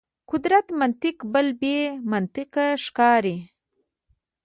قدرت منطق بل بې منطقي ښکاري.